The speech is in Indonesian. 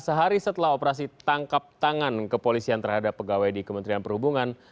sehari setelah operasi tangkap tangan kepolisian terhadap pegawai di kementerian perhubungan